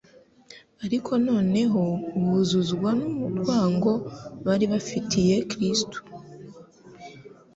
ariko noneho buzuzwa n'urwango bari bafitiye Kristo.